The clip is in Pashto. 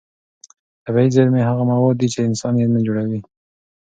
طبیعي زېرمې هغه مواد دي چې انسان یې نه جوړوي.